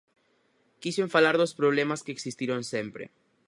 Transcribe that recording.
Quixen falar dos problemas que existiron sempre.